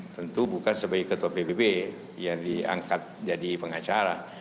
tentu bukan sebagai ketua pbb yang diangkat jadi pengacara